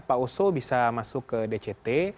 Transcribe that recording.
pak oso bisa masuk ke dct